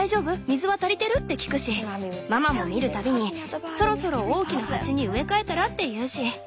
水は足りてる？って聞くしママも見る度にそろそろ大きな鉢に植え替えたらって言うし。